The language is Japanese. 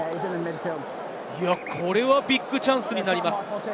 これはビッグチャンスになります。